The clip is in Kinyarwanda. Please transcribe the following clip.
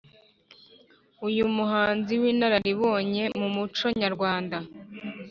uyu muhanzi w’inararibonye m’umuco nyarwanda